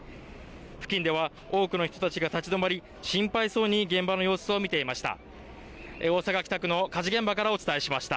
付近では多くの人たちが立ち止まり、心配そうに現場の様子を見ていました。